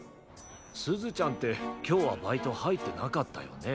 すずちゃんってきょうはバイトはいってなかったよね？